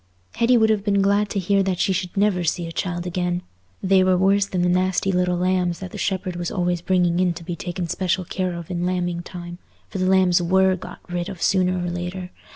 Hetty would have been glad to hear that she should never see a child again; they were worse than the nasty little lambs that the shepherd was always bringing in to be taken special care of in lambing time; for the lambs were got rid of sooner or later.